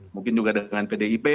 mungkin juga dengan pdip